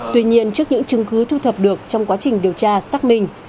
tuy nhiên trước những chứng cứ thu thập được trong quá trình điều tra xác minh